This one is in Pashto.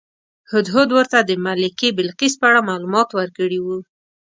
هدهد ورته د ملکې بلقیس په اړه معلومات ورکړي وو.